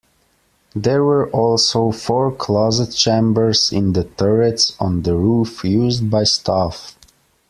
There were also four closet-chambers in the turrets on the roof, used by staff.